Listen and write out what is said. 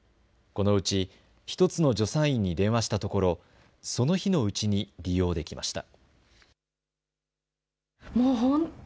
このうち１つの助産院に電話したところその日のうちに利用できました。